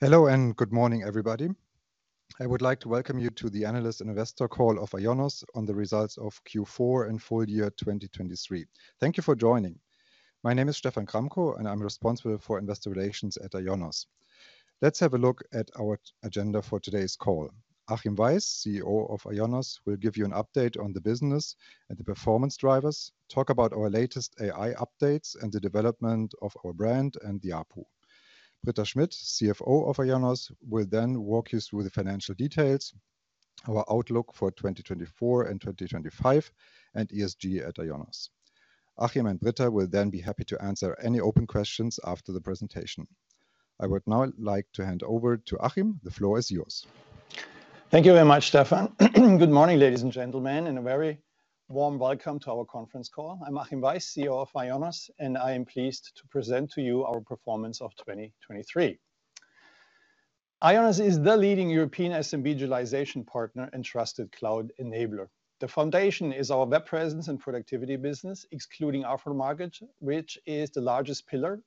Hello, and good morning, everybody. I would like to welcome you to the Analyst Investor Call of IONOS on the results of Q4 and full year 2023. Thank you for joining. My name is Stephan Gramkow, and I'm responsible for investor relations at IONOS. Let's have a look at our agenda for today's call. Achim Weiss, CEO of IONOS, will give you an update on the business and the performance drivers, talk about our latest AI updates and the development of our brand and the ARPU. Britta Schmidt, CFO of IONOS, will then walk you through the financial details, our outlook for 2024 and 2025, and ESG at IONOS. Achim and Britta will then be happy to answer any open questions after the presentation. I would now like to hand over to Achim. The floor is yours. Thank you very much, Stephan. Good morning, ladies and gentlemen, and a very warm welcome to our conference call. I'm Achim Weiss, CEO of IONOS, and I am pleased to present to you our performance of 2023. IONOS is the leading European SMB digitalization partner and trusted Web Presence and Productivity business, excluding Aftermarket, which is the largest pillar,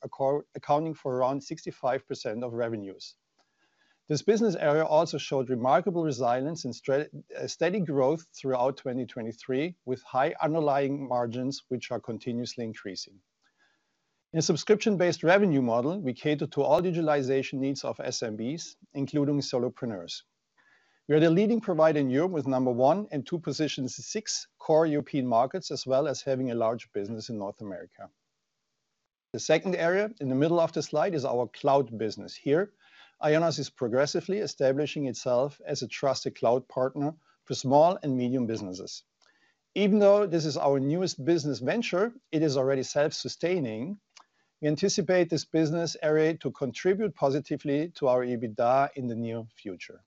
accounting for around 65% of revenues. This business area also showed remarkable resilience and steady growth throughout 2023, with high underlying margins, which are continuously increasing. In a subscription-based revenue model, we cater to all digitalization needs of SMBs, including solopreneurs. We are the leading provider in Europe, with number one and two positions in six core European markets, as well as having a large business in North America. The second area in the middle of the slide is our cloud business. Here, IONOS is progressively establishing itself as a trusted cloud partner for small and medium businesses. Even though this is our newest business venture, it is already self-sustaining. We anticipate this business area to contribute positively to our EBITDA in the near future.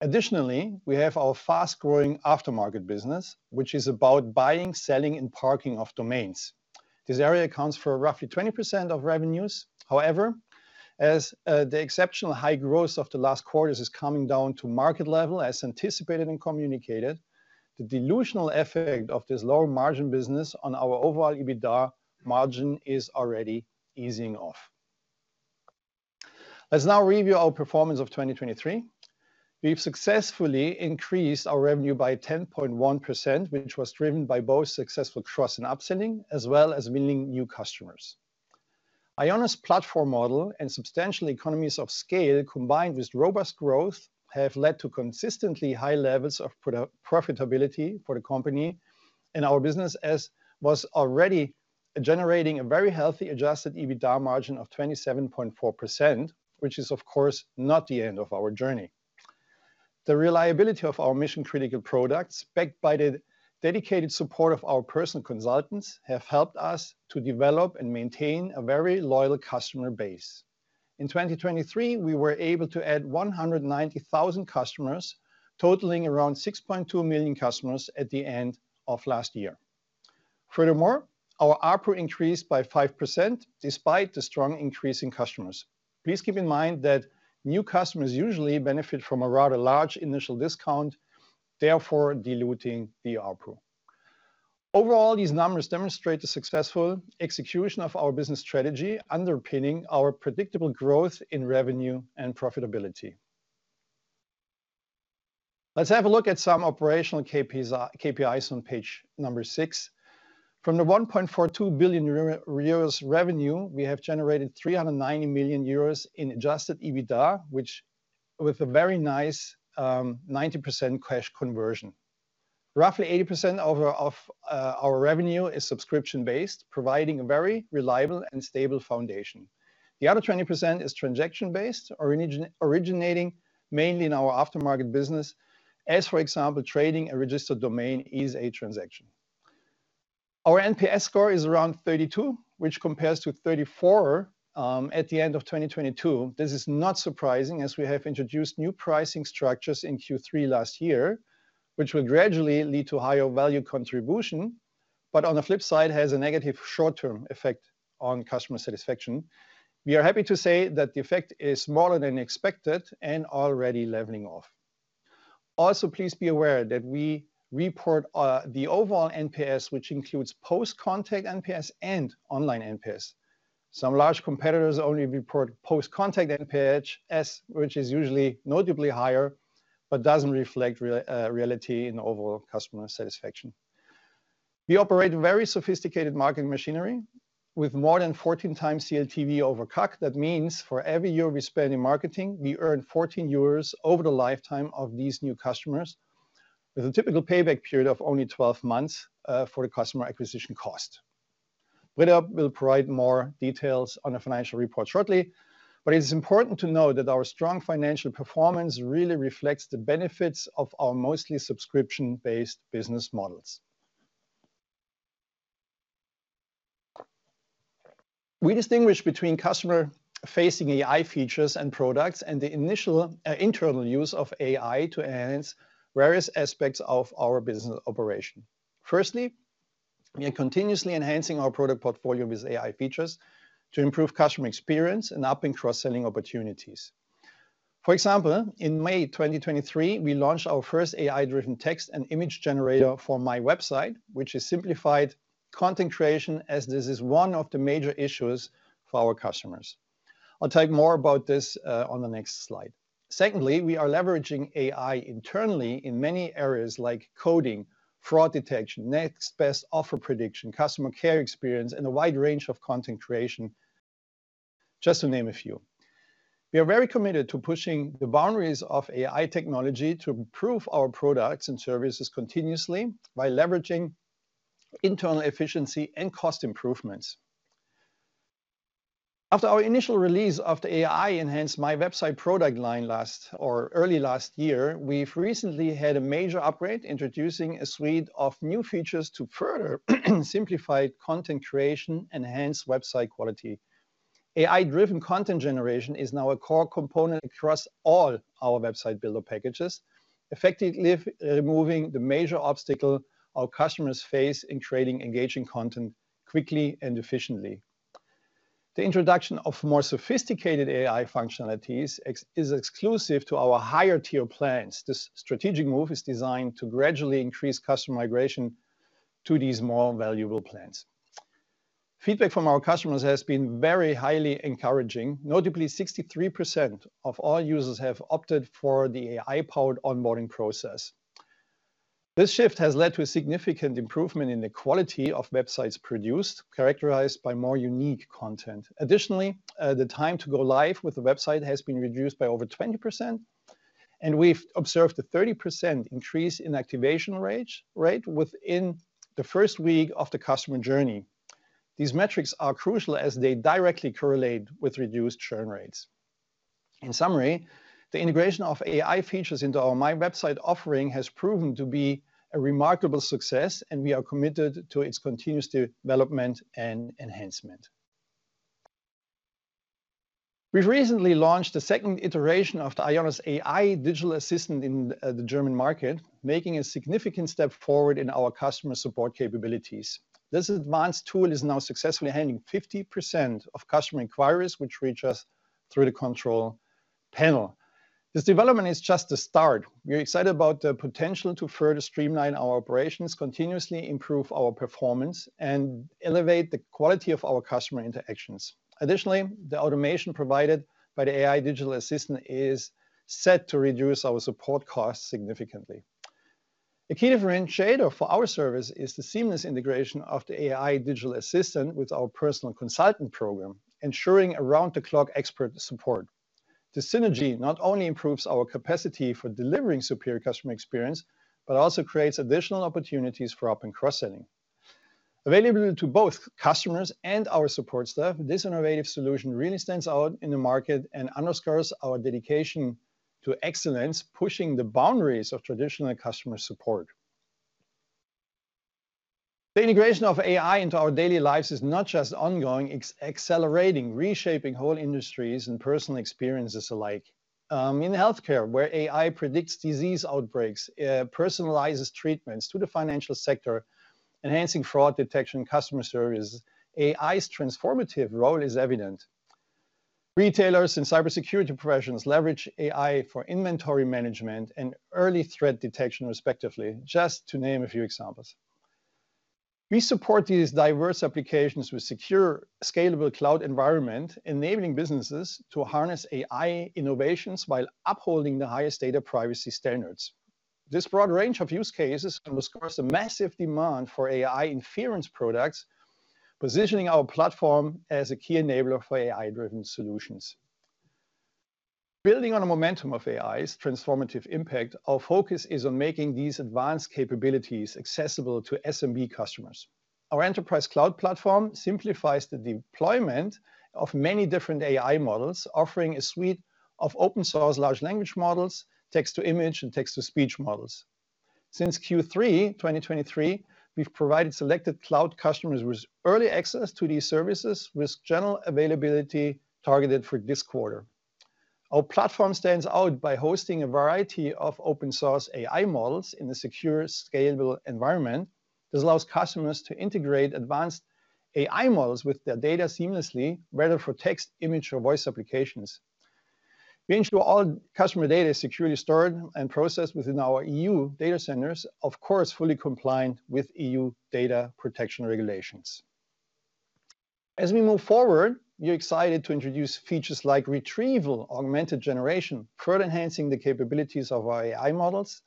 Additionally, we have our fast-growing Aftermarket business, which is about buying, selling, and parking of domains. This area accounts for roughly 20% of revenues. However, as the exceptional high growth of the last quarters is coming down to market level, as anticipated and communicated, the dilutional effect of this low-margin business on our overall EBITDA margin is already easing off. Let's now review our performance of 2023. We've successfully increased our revenue by 10.1%, which was driven by both successful cross and upselling, as well as winning new customers. IONOS' platform model and substantial economies of scale, combined with robust growth, have led to consistently high levels of profitability for the company, and our business was already generating a very healthy Adjusted EBITDA margin of 27.4%, which is, of course, not the end of our journey. The reliability of our mission-critical products, backed by the dedicated support of our Personal Consultants, have helped us to develop and maintain a very loyal customer base. In 2023, we were able to add 190,000 customers, totaling around 6.2 million customers at the end of last year. Furthermore, our ARPU increased by 5%, despite the strong increase in customers. Please keep in mind that new customers usually benefit from a rather large initial discount, therefore diluting the ARPU. Overall, these numbers demonstrate the successful execution of our business strategy, underpinning our predictable growth in revenue and profitability. Let's have a look at some operational KPIs on page 6. From the 1.42 billion euros revenue, we have generated 390 million euros in Adjusted EBITDA, which with a very nice 90% cash conversion. Roughly 80% of our revenue is subscription-based, providing a very reliable and stable foundation. The other 20% is transaction-based, originating mainly in our Aftermarket business, as, for example, trading a registered domain is a transaction. Our NPS score is around 32, which compares to 34 at the end of 2022. This is not surprising, as we have introduced new pricing structures in Q3 last year, which will gradually lead to higher value contribution, but on the flip side, has a negative short-term effect on customer satisfaction. We are happy to say that the effect is smaller than expected and already leveling off. Also, please be aware that we report the overall NPS, which includes post-contact NPS and online NPS. Some large competitors only report post-contact NPS, which is usually notably higher, but doesn't reflect reality in the overall customer satisfaction. We operate very sophisticated marketing machinery with more than 14 times CLTV over CAC. That means for every euro we spend in marketing, we earn 14 euros over the lifetime of these new customers, with a typical payback period of only 12 months for the customer acquisition cost. Britta will provide more details on the financial report shortly, but it is important to note that our strong financial performance really reflects the benefits of our mostly subscription-based business models. We distinguish between customer-facing AI features and products, and the initial, internal use of AI to enhance various aspects of our business operation. Firstly, we are continuously enhancing our product portfolio with AI features to improve customer experience and upping cross-selling opportunities.... For example, in May 2023, we launched our first AI-driven text and image generator for MyWebsite, which has simplified content creation, as this is one of the major issues for our customers. I'll talk more about this, on the next slide. Secondly, we are leveraging AI internally in many areas like coding, fraud detection, next best offer prediction, customer care experience, and a wide range of content creation, just to name a few. We are very committed to pushing the boundaries of AI technology to improve our products and services continuously by leveraging internal efficiency and cost improvements. After our initial release of the AI-enhanced MyWebsite product line last or early last year, we've recently had a major upgrade, introducing a suite of new features to further simplify content creation, enhance website quality. AI-driven content generation is now a core component across all our website builder packages, effectively removing the major obstacle our customers face in creating engaging content quickly and efficiently. The introduction of more sophisticated AI functionalities is exclusive to our higher-tier plans. This strategic move is designed to gradually increase customer migration to these more valuable plans. Feedback from our customers has been very highly encouraging. Notably, 63% of all users have opted for the AI-powered onboarding process. This shift has led to a significant improvement in the quality of websites produced, characterized by more unique content. Additionally, the time to go live with the website has been reduced by over 20%, and we've observed a 30% increase in activation rate within the first week of the customer journey. These metrics are crucial as they directly correlate with reduced churn rates. In summary, the integration of AI features into our MyWebsite offering has proven to be a remarkable success, and we are committed to its continuous development and enhancement. We've recently launched the second iteration of the IONOS AI Digital Assistant in the German market, making a significant step forward in our customer support capabilities. This advanced tool is now successfully handling 50% of customer inquiries, which reach us through the Control Panel. This development is just the start. We are excited about the potential to further streamline our operations, continuously improve our performance, and elevate the quality of our customer interactions. Additionally, the automation provided by the AI Digital Assistant is set to reduce our support costs significantly. A key differentiator for our service is the seamless integration of the AI Digital Assistant with our Personal Consultant program, ensuring around-the-clock expert support. This synergy not only improves our capacity for delivering superior customer experience, but also creates additional opportunities for up and cross-selling. Available to both customers and our support staff, this innovative solution really stands out in the market and underscores our dedication to excellence, pushing the boundaries of traditional customer support. The integration of AI into our daily lives is not just ongoing, it's accelerating, reshaping whole industries and personal experiences alike. In healthcare, where AI predicts disease outbreaks, personalizes treatments, to the financial sector, enhancing fraud detection, customer services, AI's transformative role is evident. Retailers and cybersecurity professionals leverage AI for inventory management and early threat detection, respectively, just to name a few examples. We support these diverse applications with secure, scalable cloud environment, enabling businesses to harness AI innovations while upholding the highest data privacy standards. This broad range of use cases underscores the massive demand for AI inference products, positioning our platform as a key enabler for AI-driven solutions. Building on the momentum of AI's transformative impact, our focus is on making these advanced capabilities accessible to SMB customers. Our enterprise cloud platform simplifies the deployment of many different AI models, offering a suite of open source large language models, text-to-image, and text-to-speech models. Since Q3 2023, we've provided selected cloud customers with early access to these services, with general availability targeted for this quarter. Our platform stands out by hosting a variety of open source AI models in a secure, scalable environment. This allows customers to integrate advanced AI models with their data seamlessly, whether for text, image, or voice applications. We ensure all customer data is securely stored and processed within our EU data centers. Of course, fully compliant with EU data protection regulations. As we move forward, we are excited to introduce features like retrieval-augmented generation, further enhancing the capabilities of our AI models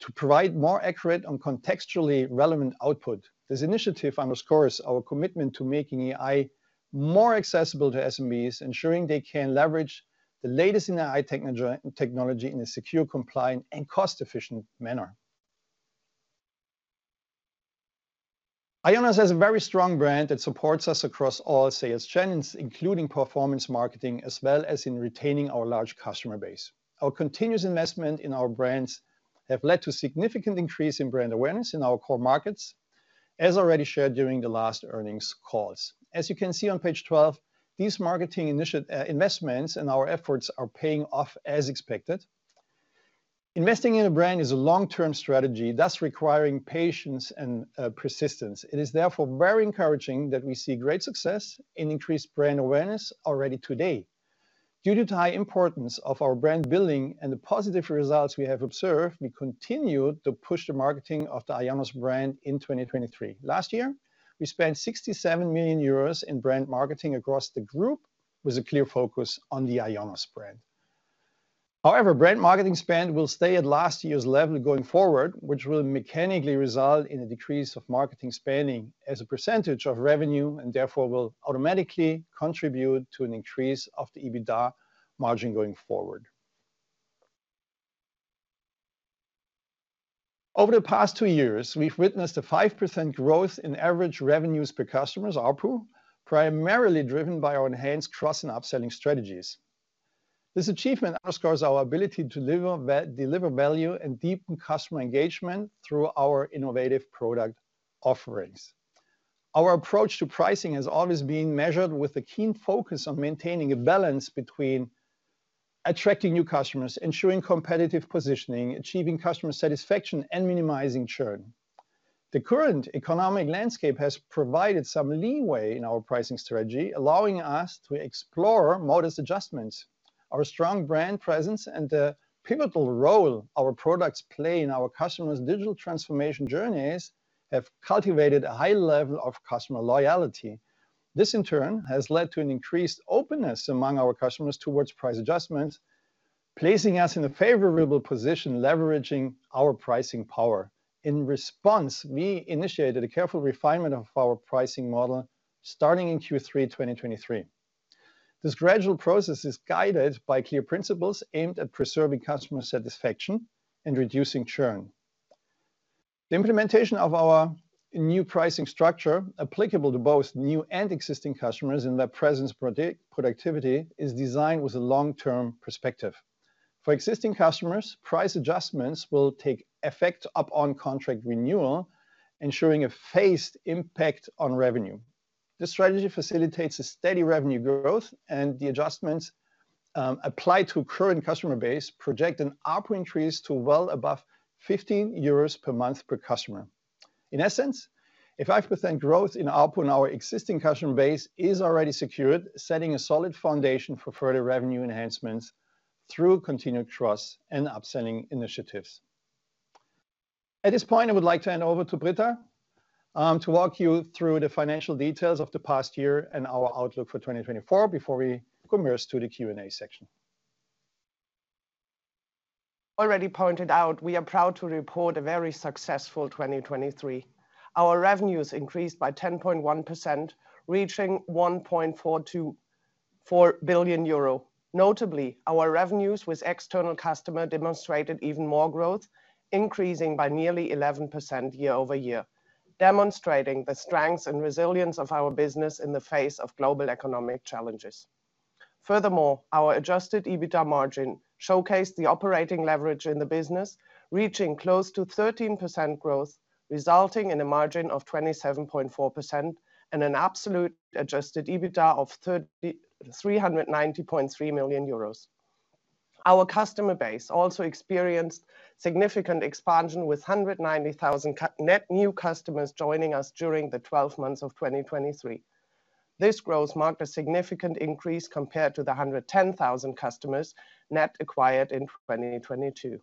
to provide more accurate and contextually relevant output. This initiative underscores our commitment to making AI more accessible to SMBs, ensuring they can leverage the latest in AI technology in a secure, compliant, and cost-efficient manner. IONOS has a very strong brand that supports us across all sales channels, including performance marketing, as well as in retaining our large customer base. Our continuous investment in our brands have led to significant increase in brand awareness in our core markets, as already shared during the last earnings calls. As you can see on page 12, these marketing investments and our efforts are paying off as expected. Investing in a brand is a long-term strategy, thus requiring patience and persistence. It is therefore very encouraging that we see great success in increased brand awareness already today. Due to the high importance of our brand building and the positive results we have observed, we continued to push the marketing of the IONOS brand in 2023. Last year, we spent 67 million euros in brand marketing across the group, with a clear focus on the IONOS brand. However, brand marketing spend will stay at last year's level going forward, which will mechanically result in a decrease of marketing spending as a percentage of revenue, and therefore will automatically contribute to an increase of the EBITDA margin going forward. Over the past two years, we've witnessed a 5% growth in average revenues per customers, ARPU, primarily driven by our enhanced cross and upselling strategies. This achievement underscores our ability to deliver value and deepen customer engagement through our innovative product offerings. Our approach to pricing has always been measured with a keen focus on maintaining a balance between attracting new customers, ensuring competitive positioning, achieving customer satisfaction, and minimizing churn. The current economic landscape has provided some leeway in our pricing strategy, allowing us to explore modest adjustments. Our strong brand presence and the pivotal role our products play in our customers' digital transformation journeys have cultivated a high level of customer loyalty. This, in turn, has led to an increased openness among our customers towards price adjustments, placing us in a favorable position, leveraging our pricing power. In response, we initiated a careful refinement of our pricing model starting in Q3 2023. This gradual process is guided by clear principles aimed at preserving customer satisfaction and reducing churn. The implementation of our new pricing structure, applicable to both new and existing customers in their presence productivity, is designed with a long-term perspective. For existing customers, price adjustments will take effect upon contract renewal, ensuring a phased impact on revenue. This strategy facilitates a steady revenue growth, and the adjustments, applied to current customer base project an ARPU increase to well above 15 euros per month per customer. In essence, a 5% growth in ARPU in our existing customer base is already secured, setting a solid foundation for further revenue enhancements through continued trust and upselling initiatives. At this point, I would like to hand over to Britta, to walk you through the financial details of the past year and our outlook for 2024 before we commence to the Q&A section. Already pointed out, we are proud to report a very successful 2023. Our revenues increased by 10.1%, reaching 1.424 billion euro. Notably, our revenues with external customer demonstrated even more growth, increasing by nearly 11% year-over-year, demonstrating the strength and resilience of our business in the face of global economic challenges. Furthermore, our Adjusted EBITDA margin showcased the operating leverage in the business, reaching close to 13% growth, resulting in a margin of 27.4% and an absolute Adjusted EBITDA of 339.3 million euros. Our customer base also experienced significant expansion, with 190,000 net new customers joining us during the twelve months of 2023. This growth marked a significant increase compared to the 110,000 customers net acquired in 2022.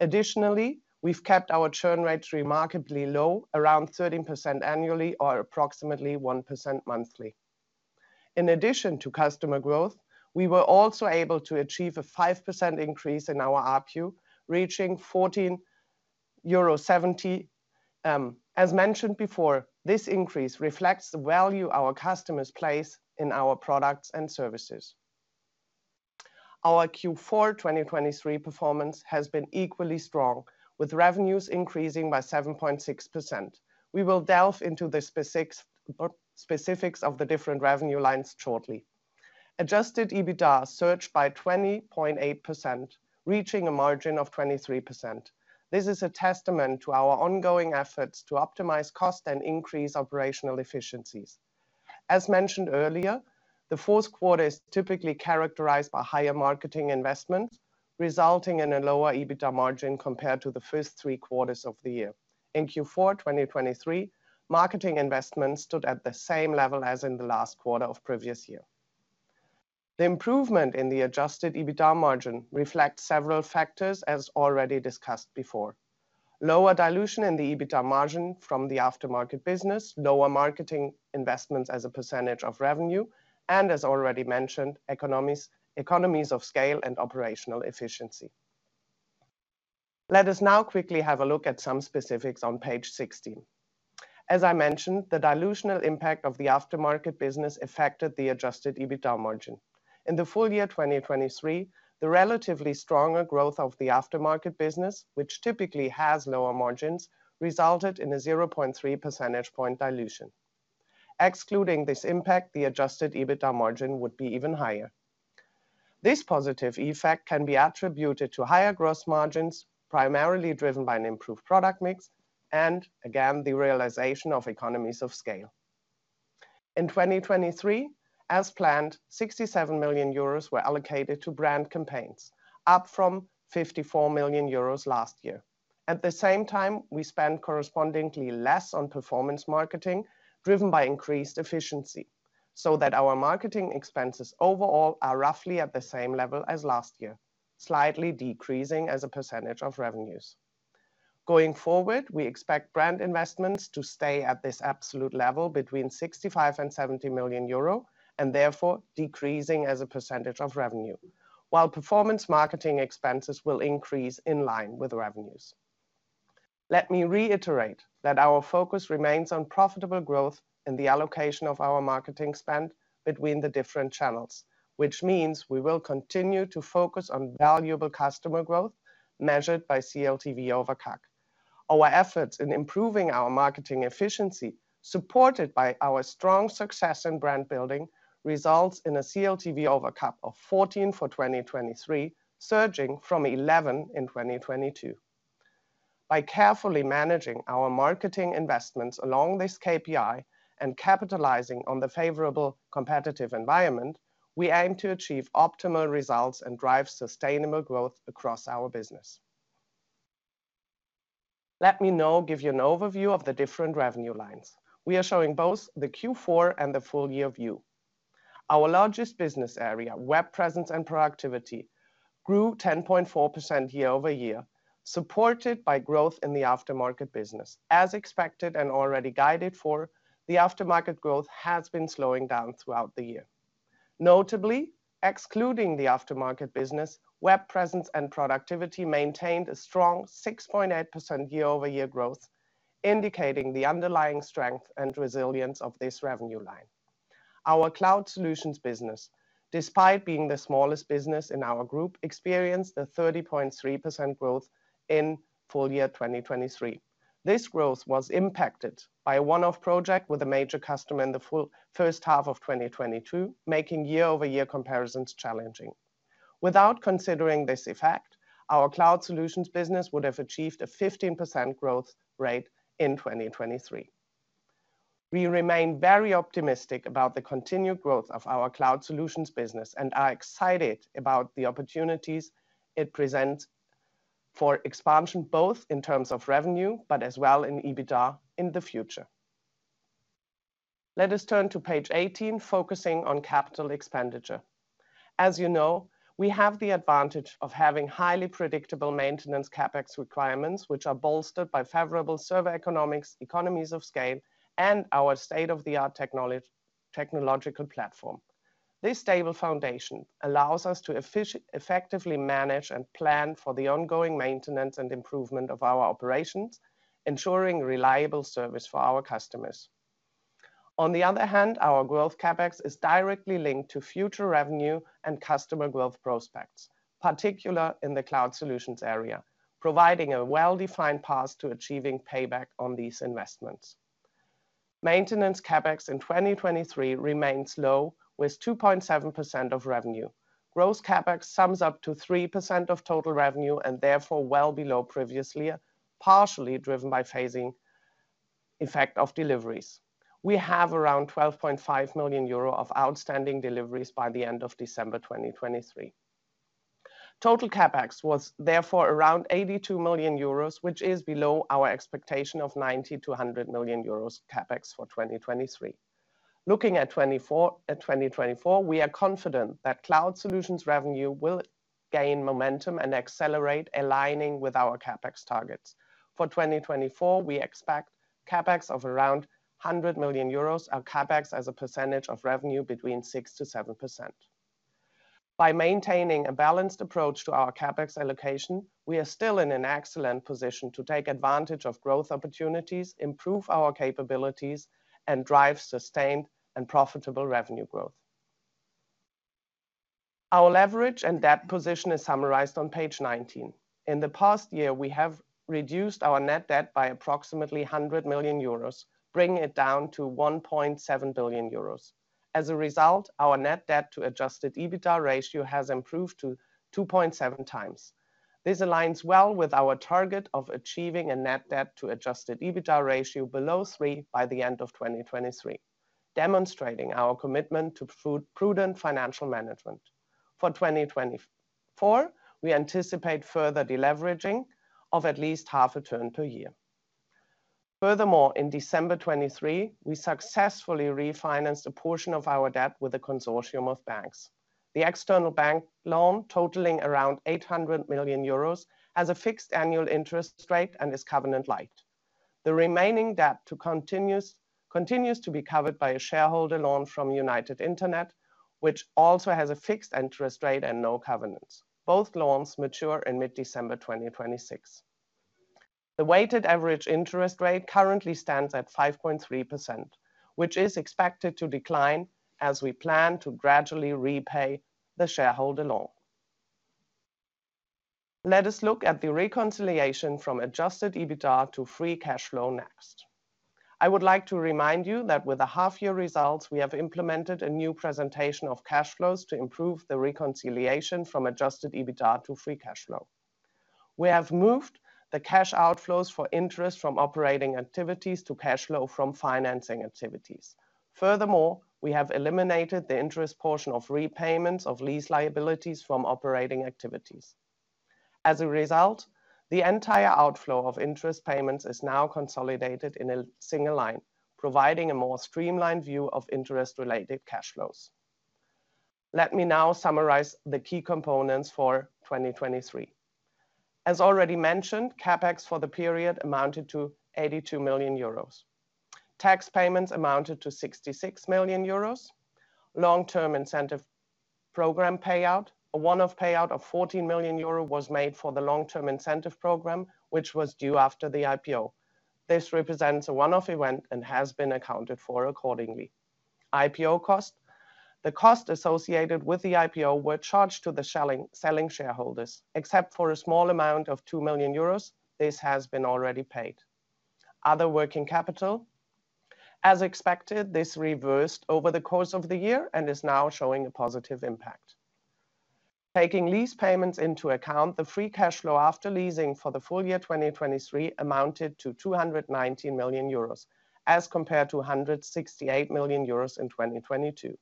Additionally, we've kept our churn rates remarkably low, around 13% annually, or approximately 1% monthly. In addition to customer growth, we were also able to achieve a 5% increase in our ARPU, reaching 14.70 euro. As mentioned before, this increase reflects the value our customers place in our products and services. Our Q4 2023 performance has been equally strong, with revenues increasing by 7.6%. We will delve into the specifics of the different revenue lines shortly. Adjusted EBITDA surged by 20.8%, reaching a margin of 23%. This is a testament to our ongoing efforts to optimize cost and increase operational efficiencies. As mentioned earlier, the Q4 is typically characterized by higher marketing investments, resulting in a lower EBITDA margin compared to the first three quarters of the year. In Q4 2023, marketing investments stood at the same level as in the last quarter of previous year. The improvement in the Adjusted EBITDA margin reflects several factors, as already discussed before. Lower dilution in the EBITDA margin from the Aftermarket business, lower marketing investments as a percentage of revenue, and as already mentioned, economies of scale and operational efficiency. Let us now quickly have a look at some specifics on page 16. As I mentioned, the dilutional impact of the Aftermarket business affected the Adjusted EBITDA margin. In the full year 2023, the relatively stronger growth of the Aftermarket business, which typically has lower margins, resulted in a 0.3 percentage point dilution. Excluding this impact, the Adjusted EBITDA margin would be even higher. This positive effect can be attributed to higher gross margins, primarily driven by an improved product mix, and again, the realization of economies of scale.... In 2023, as planned, 67 million euros were allocated to brand campaigns, up from 54 million euros last year. At the same time, we spent correspondingly less on performance marketing, driven by increased efficiency, so that our marketing expenses overall are roughly at the same level as last year, slightly decreasing as a percentage of revenues. Going forward, we expect brand investments to stay at this absolute level between 65 million and 70 million euro, and therefore decreasing as a percentage of revenue. While performance marketing expenses will increase in line with revenues. Let me reiterate that our focus remains on profitable growth in the allocation of our marketing spend between the different channels, which means we will continue to focus on valuable customer growth measured by CLTV over CAC. Our efforts in improving our marketing efficiency, supported by our strong success in brand building, results in a CLTV over CAC of 14 for 2023, surging from 11 in 2022. By carefully managing our marketing investments along this KPI and capitalizing on the favorable competitive environment, we aim to achieve optimal results and drive sustainable growth across our business. Let me now give you an overview of the different revenue lines. We are showing both the Q4 and the full year view. Our Web Presence and Productivity, grew 10.4% year-over-year, supported by growth in the Aftermarket business. As expected and already guided for, the Aftermarket growth has been slowing down throughout the year. Notably, excluding Web Presence and Productivity maintained a strong 6.8% year-over-year growth, indicating the underlying strength and resilience of this revenue line. Our Cloud Solutions business, despite being the smallest business in our group, experienced a 30.3% growth in full year 2023. This growth was impacted by a one-off project with a major customer in the full first half of 2022, making year-over-year comparisons challenging. Without considering this effect, our Cloud Solutions business would have achieved a 15% growth rate in 2023. We remain very optimistic about the continued growth of our Cloud Solutions business and are excited about the opportunities it presents for expansion, both in terms of revenue, but as well in EBITDA in the future. Let us turn to page 18, focusing on capital expenditure. As you know, we have the advantage of having highly predictable maintenance CapEx requirements, which are bolstered by favorable server economics, economies of scale, and our state-of-the-art technological platform. This stable foundation allows us to effectively manage and plan for the ongoing maintenance and improvement of our operations, ensuring reliable service for our customers. On the other hand, our growth CapEx is directly linked to future revenue and customer growth prospects, particularly in the Cloud Solutions area, providing a well-defined path to achieving payback on these investments. Maintenance CapEx in 2023 remains low, with 2.7% of revenue. Growth CapEx sums up to 3% of total revenue, and therefore well below previously, partially driven by phasing effect of deliveries. We have around 12.5 million euro of outstanding deliveries by the end of December 2023. Total CapEx was therefore around 82 million euros, which is below our expectation of 90-100 million euros CapEx for 2023. Looking at 2024, we are confident that Cloud Solutions revenue will gain momentum and accelerate, aligning with our CapEx targets. For 2024, we expect CapEx of around 100 million euros, our CapEx as a percentage of revenue between 6%-7%. By maintaining a balanced approach to our CapEx allocation, we are still in an excellent position to take advantage of growth opportunities, improve our capabilities, and drive sustained and profitable revenue growth. Our leverage and debt position is summarized on page 19. In the past year, we have reduced our net debt by approximately 100 million euros, bringing it down to 1.7 billion euros. As a result, our net debt to Adjusted EBITDA ratio has improved to 2.7 times. This aligns well with our target of achieving a net debt to Adjusted EBITDA ratio below 3 by the end of 2023, demonstrating our commitment to prudent financial management. For 2024, we anticipate further deleveraging of at least 0.5 turn per year. Furthermore, in December 2023, we successfully refinanced a portion of our debt with a consortium of banks. The external bank loan, totaling around 800 million euros, has a fixed annual interest rate and is covenant-lite. The remaining debt continues to be covered by a shareholder loan from United Internet, which also has a fixed interest rate and no covenants. Both loans mature in mid-December 2026. The weighted average interest rate currently stands at 5.3%, which is expected to decline as we plan to gradually repay the shareholder loan. Let us look at the reconciliation from Adjusted EBITDA to free cash flow next. I would like to remind you that with the half year results, we have implemented a new presentation of cash flows to improve the reconciliation from Adjusted EBITDA to free cash flow. We have moved the cash outflows for interest from operating activities to cash flow from financing activities. Furthermore, we have eliminated the interest portion of repayments of lease liabilities from operating activities. As a result, the entire outflow of interest payments is now consolidated in a single line, providing a more streamlined view of interest-related cash flows. Let me now summarize the key components for 2023. As already mentioned, CapEx for the period amounted to 82 million euros. Tax payments amounted to 66 million euros. Long-term incentive program payout. A one-off payout of 14 million euro was made for the long-term incentive program, which was due after the IPO. This represents a one-off event and has been accounted for accordingly. IPO cost. The cost associated with the IPO were charged to the selling, selling shareholders, except for a small amount of 2 million euros. This has been already paid. Other working capital, as expected, this reversed over the course of the year and is now showing a positive impact. Taking lease payments into account, the free cash flow after leasing for the full year 2023 amounted to 219 million euros, as compared to 168 million euros in 2022.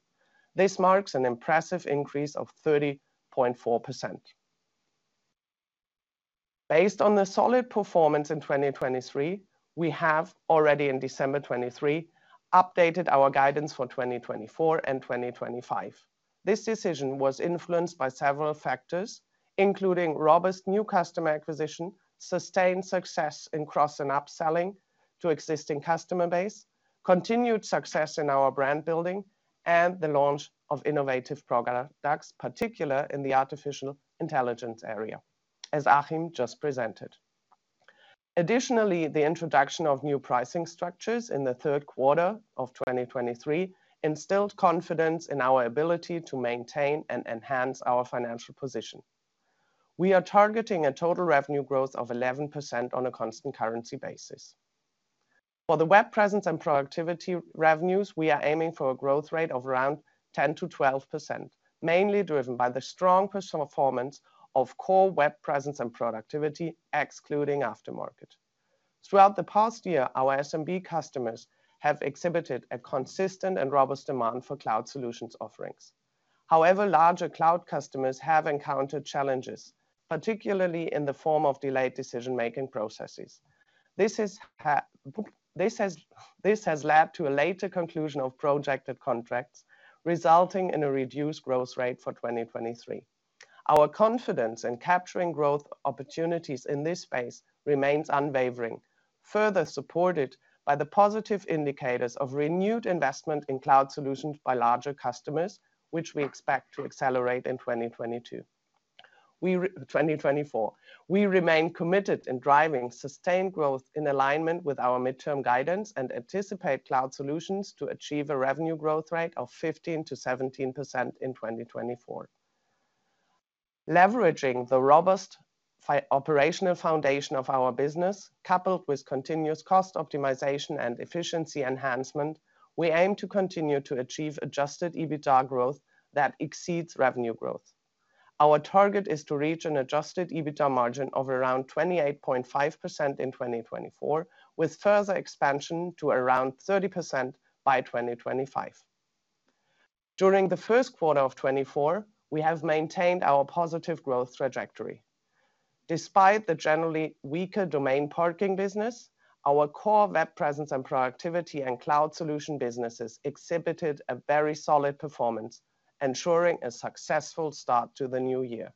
This marks an impressive increase of 30.4%. Based on the solid performance in 2023, we have already in December 2023, updated our guidance for 2024 and 2025. This decision was influenced by several factors, including robust new customer acquisition, sustained success in cross and upselling to existing customer base, continued success in our brand building, and the launch of innovative products, particularly in the artificial intelligence area, as Achim just presented. Additionally, the introduction of new pricing structures in the Q2 of 2023 instilled confidence in our ability to maintain and enhance our financial position. We are targeting a total revenue growth of 11% on a constant currency Web Presence and Productivity revenues, we are aiming for a growth rate of around 10%-12%, mainly driven by the strong core Web Presence and Productivity, excluding Aftermarket. Throughout the past year, our SMB customers have exhibited a consistent and robust demand for Cloud Solutions offerings. However, larger cloud customers have encountered challenges, particularly in the form of delayed decision-making processes. This has led to a later conclusion of projected contracts, resulting in a reduced growth rate for 2023. Our confidence in capturing growth opportunities in this space remains unwavering, further supported by the positive indicators of renewed investment in Cloud Solutions by larger customers, which we expect to accelerate in 2024. We remain committed in driving sustained growth in alignment with our midterm guidance and anticipate Cloud Solutions to achieve a revenue growth rate of 15%-17% in 2024. Leveraging the robust fi... Operational foundation of our business, coupled with continuous cost optimization and efficiency enhancement, we aim to continue to achieve Adjusted EBITDA growth that exceeds revenue growth. Our target is to reach an Adjusted EBITDA margin of around 28.5% in 2024, with further expansion to around 30% by 2025. During the Q1 of 2024, we have maintained our positive growth trajectory. Despite the generally weaker domain parking Web Presence and Productivity and cloud solution businesses exhibited a very solid performance, ensuring a successful start to the new year.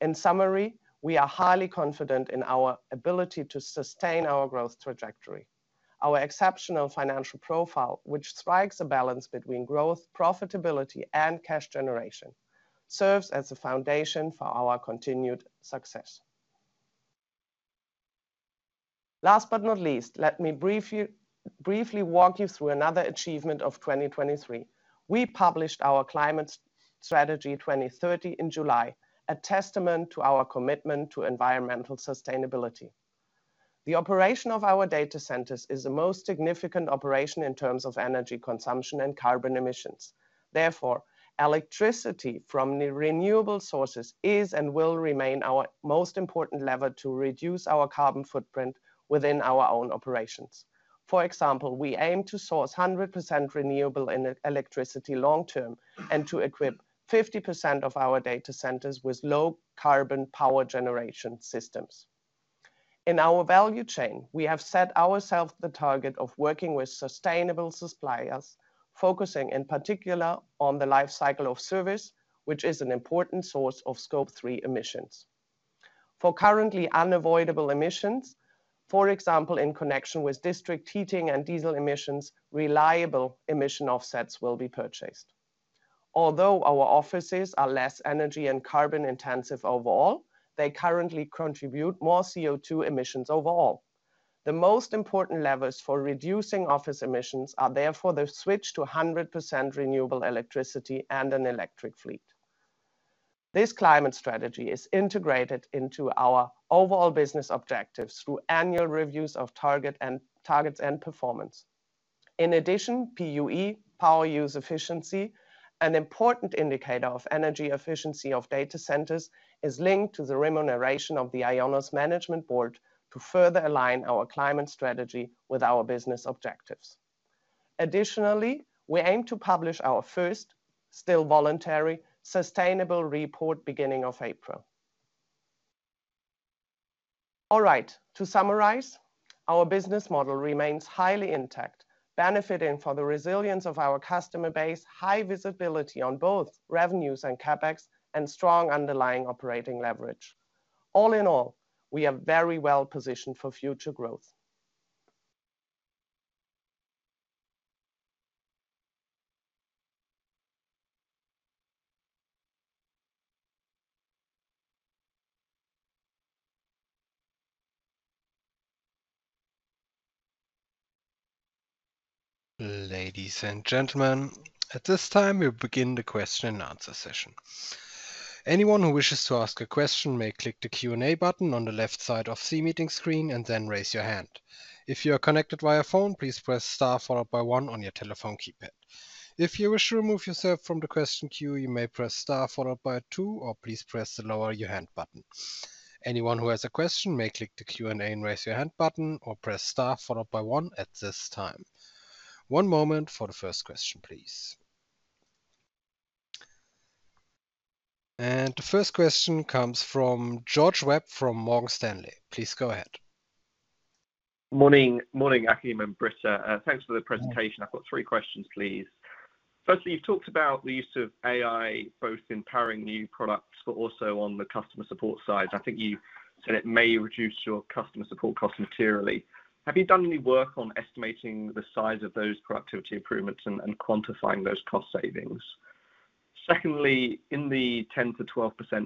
In summary, we are highly confident in our ability to sustain our growth trajectory. Our exceptional financial profile, which strikes a balance between growth, profitability, and cash generation, serves as a foundation for our continued success. Last but not least, let me brief you, briefly walk you through another achievement of 2023. We published our climate strategy 2030 in July, a testament to our commitment to environmental sustainability. The operation of our data centers is the most significant operation in terms of energy consumption and carbon emissions. Therefore, electricity from renewable sources is and will remain our most important lever to reduce our carbon footprint within our own operations. For example, we aim to source 100% renewable energy electricity long term, and to equip 50% of our data centers with low carbon power generation systems. In our value chain, we have set ourselves the target of working with sustainable suppliers, focusing in particular on the life cycle of service, which is an important source of Scope 3 emissions. For currently unavoidable emissions, for example, in connection with district heating and diesel emissions, reliable emission offsets will be purchased. Although our offices are less energy and carbon intensive overall, they currently contribute more CO2 emissions overall. The most important levers for reducing office emissions are therefore the switch to 100% renewable electricity and an electric fleet. This climate strategy is integrated into our overall business objectives through annual reviews of target and targets and performance. In addition, PUE, Power Usage Effectiveness, an important indicator of energy efficiency of data centers, is linked to the remuneration of the IONOS management board to further align our climate strategy with our business objectives. Additionally, we aim to publish our first, still voluntary, Sustainability Report beginning of April. All right. To summarize, our business model remains highly intact, benefiting from the resilience of our customer base, high visibility on both revenues and CapEx, and strong underlying operating leverage. All in all, we are very well positioned for future growth. Ladies and gentlemen, at this time, we'll begin the question and answer session. Anyone who wishes to ask a question may click the Q&A button on the left side of the meeting screen, and then raise your hand. If you are connected via phone, please press star followed by one on your telephone keypad. If you wish to remove yourself from the question queue, you may press star followed by two, or please press the lower your hand button. Anyone who has a question may click the Q&A and raise your hand button, or press star followed by one at this time. One moment for the first question, please. The first question comes from George Webb from Morgan Stanley. Please go ahead. Morning, morning, Achim and Britta. Thanks for the presentation. I've got three questions, please. Firstly, you've talked about the use of AI, both in powering new products but also on the customer support side. I think you said it may reduce your customer support cost materially. Have you done any work on estimating the size of those productivity improvements and quantifying those cost savings? Secondly,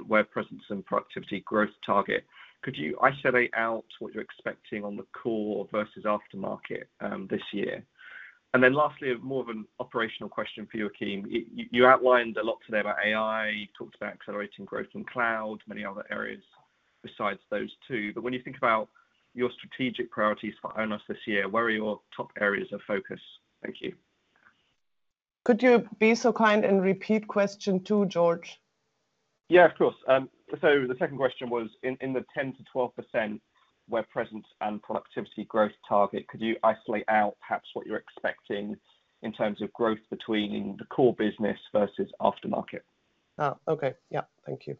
Web Presence and Productivity growth target, could you isolate out what you're expecting on the core versus Aftermarket this year? And then lastly, more of an operational question for you, Achim. You outlined a lot today about AI, talked about accelerating growth in cloud, many other areas besides those two. But when you think about your strategic priorities for IONOS this year, where are your top areas of focus? Thank you. Could you be so kind and repeat question two, George? Yeah. Of course. So the second question was, Web Presence and Productivity growth target, could you isolate out perhaps what you're expecting in terms of growth between the core business versus Aftermarket? Oh, okay. Yeah. Thank you.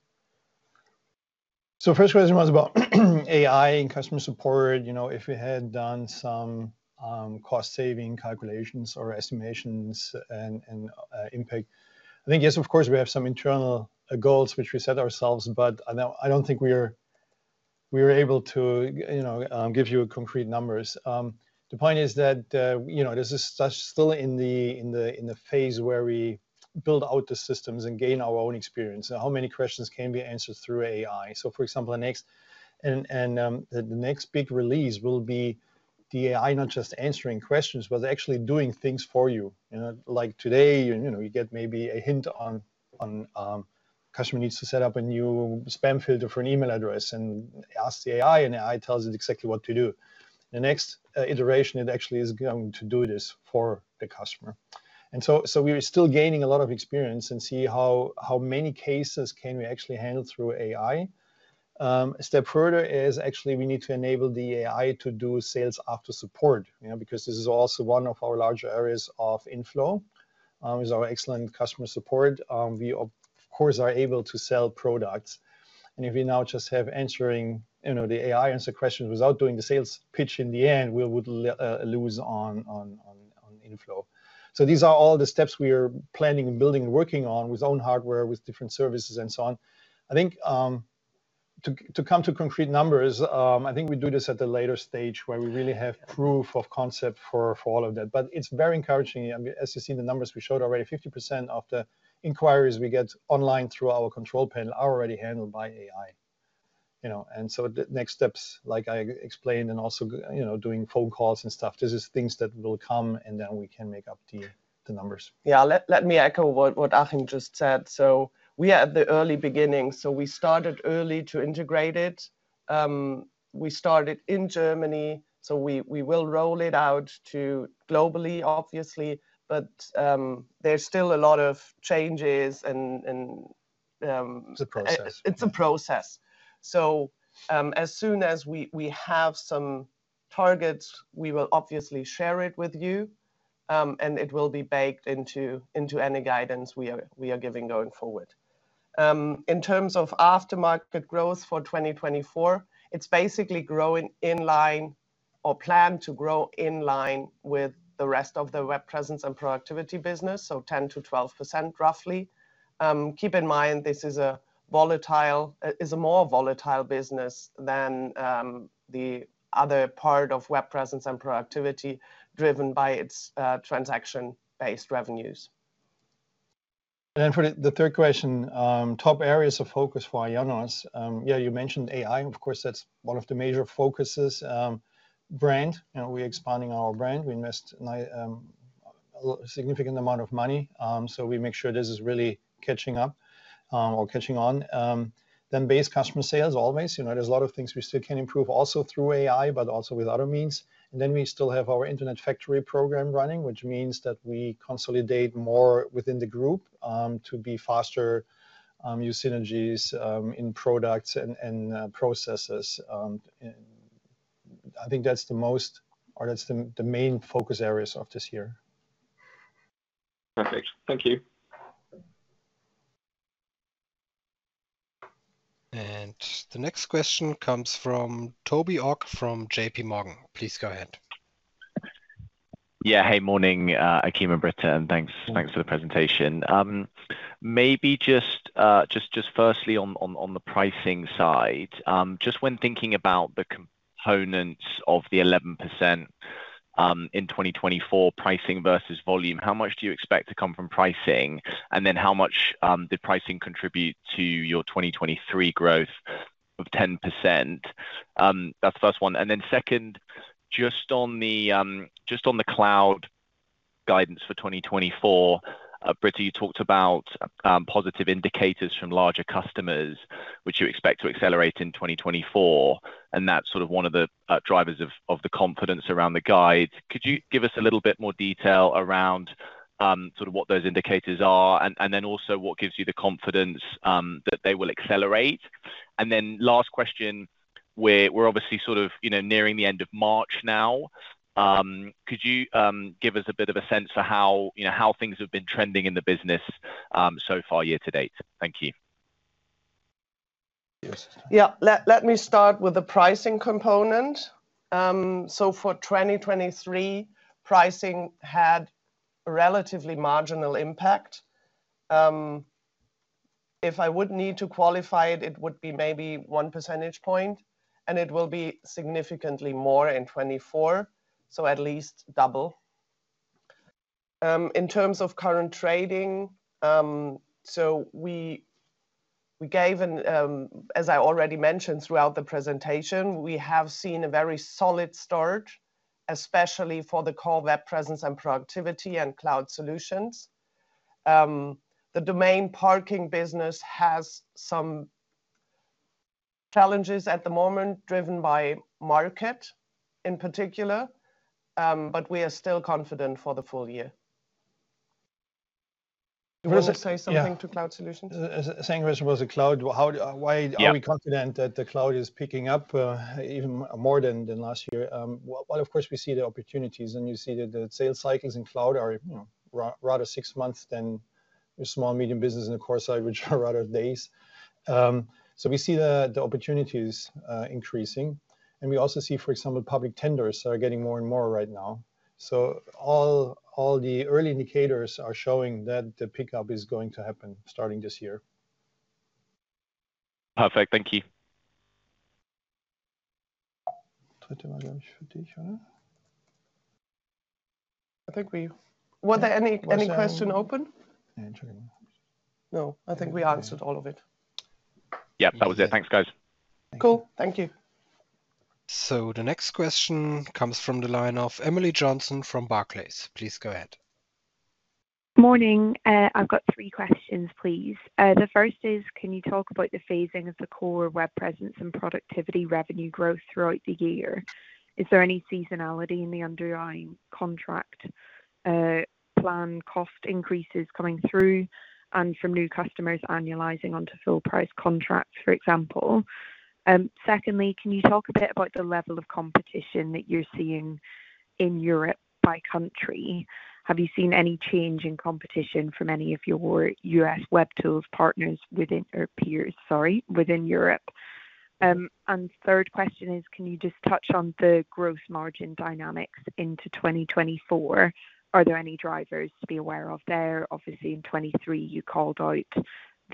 So first question was about AI and customer support. You know, if we had done some cost saving calculations or estimations and impact. I think, yes, of course, we have some internal goals which we set ourselves, but I don't think we are able to, you know, give you concrete numbers. The point is that, you know, this is still in the phase where we build out the systems and gain our own experience, and how many questions can be answered through AI. So for example, the next big release will be the AI, not just answering questions, but actually doing things for you. You know, like today, you know, you get maybe a hint on customer needs to set up a new spam filter for an email address and ask the AI, and the AI tells you exactly what to do. The next iteration, it actually is going to do this for the customer. And so we're still gaining a lot of experience and see how many cases can we actually handle through AI. A step further is actually we need to enable the AI to do sales after support, you know, because this is also one of our large areas of inflow is our excellent customer support. We, of course, are able to sell products, and if we now just have answering, you know, the AI answer questions without doing the sales pitch in the end, we would lose on inflow. So these are all the steps we are planning and building and working on with own hardware, with different services and so on. I think, to come to concrete numbers, I think we do this at a later stage where we really have proof of concept for all of that. But it's very encouraging. I mean, as you see the numbers we showed already, 50% of the inquiries we get online through our Control Panel are already handled by AI, you know? And so the next steps, like I explained, and also, you know, doing phone calls and stuff, this is things that will come, and then we can make up the numbers. Yeah, let me echo what Achim just said. So we are at the early beginning, so we started early to integrate it. We started in Germany, so we will roll it out to globally, obviously, but there's still a lot of changes and It's a process. It's a process. So, as soon as we have some targets, we will obviously share it with you, and it will be baked into any guidance we are giving going forward. In terms of Aftermarket growth for 2024, it's basically growing in line or planned to grow in line with the Web Presence and Productivity business, so 10%-12%, roughly. Keep in mind, this is a volatile... is a more volatile business than the Web Presence and Productivity, driven by its transaction-based revenues. And then for the third question, top areas of focus for IONOS. Yeah, you mentioned AI. Of course, that's one of the major focuses. Brand, you know, we're expanding our brand. We invest a significant amount of money, so we make sure this is really catching up or catching on. Then base customer sales always, you know, there's a lot of things we still can improve also through AI, but also with other means. And then we still have our Internet Factory program running, which means that we consolidate more within the group, to be faster, use synergies, in products and processes. And I think that's the most or that's the main focus areas of this year. Perfect. Thank you. The next question comes from Toby Ogg from J.P. Morgan. Please go ahead. Yeah. Hey, morning, Achim and Britta, and thanks- Good morning. Thanks for the presentation. Maybe just firstly on the pricing side, just when thinking about the components of the 11% in 2024, pricing versus volume, how much do you expect to come from pricing? And then how much did pricing contribute to your 2023 growth of 10%? That's the first one. And then second, just on the cloud guidance for 2024, Britta, you talked about positive indicators from larger customers, which you expect to accelerate in 2024, and that's sort of one of the drivers of the confidence around the guide. Could you give us a little bit more detail around sort of what those indicators are? And then also, what gives you the confidence that they will accelerate? Last question, we're obviously sort of, you know, nearing the end of March now. Could you give us a bit of a sense for how, you know, how things have been trending in the business so far year to date? Thank you. Yeah. Let me start with the pricing component. So for 2023, pricing had a relatively marginal impact. If I would need to qualify it, it would be maybe 1 percentage point, and it will be significantly more in 2024, so at least double. In terms of current trading, as I already mentioned throughout the presentation, we have seen a very solid start, especially Web Presence and Productivity and cloud solutions. The domain parking business has some challenges at the moment, driven by market in particular, but we are still confident for the full year. Do you want to say something?... to Cloud Solutions? Saying versus cloud, how, why-... are we confident that the cloud is picking up, even more than last year? Well, of course, we see the opportunities, and you see that the sales cycles in cloud are rather six months than your small medium business in the core segment, are rather days. So we see the opportunities increasing, and we also see, for example, public tenders are getting more and more right now. So all the early indicators are showing that the pickup is going to happen starting this year. Perfect. Thank you. Were there any question open? No, I think we answered all of it. Yep, that was it. Thanks, guys. Cool. Thank you. The next question comes from the line of Emily Johnson from Barclays. Please go ahead. Morning. I've got three questions, please. The first is, can you talk about the phasing Web Presence and Productivity revenue growth throughout the year? Is there any seasonality in the underlying contract, plan, cost increases coming through and from new customers annualizing onto full price contracts, for example? Secondly, can you talk a bit about the level of competition that you're seeing in Europe by country? Have you seen any change in competition from any of your U.S. web tools partners within, or peers, sorry, within Europe? And third question is, can you just touch on the growth margin dynamics into 2024? Are there any drivers to be aware of there? Obviously, in 2023, you called out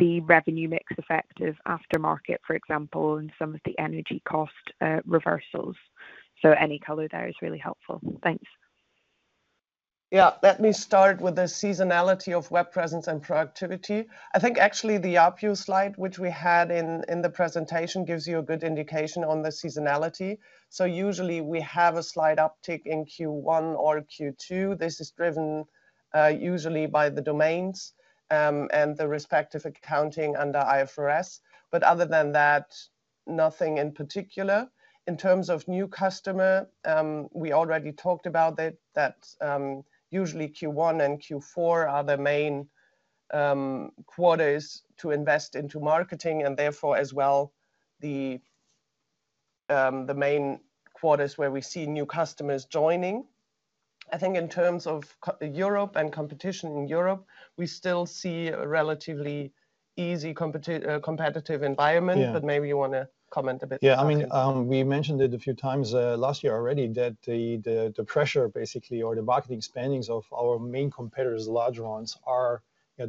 the revenue mix effect of Aftermarket, for example, and some of the energy cost reversals. So any color there is really helpful. Thanks. Yeah. Let me start with Web Presence and Productivity. i think actually the ARPU slide, which we had in the presentation, gives you a good indication on the seasonality. So usually we have a slight uptick in Q1 or Q2. This is driven usually by the domains and the respective accounting under IFRS. But other than that, nothing in particular. In terms of new customer, we already talked about that that usually Q1 and Q4 are the main quarters to invest into marketing and therefore, as well, the the main quarters where we see new customers joining. I think in terms of competition in Europe, we still see a relatively easy competitive environment. Yeah. Maybe you wanna comment a bit. Yeah, I mean, we mentioned it a few times last year already, that the pressure basically or the marketing spending of our main competitors, the larger ones,